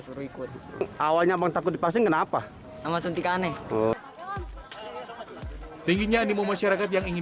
suruh ikut awalnya bang takut pasti kenapa sama suntik aneh tingginya animum masyarakat yang ingin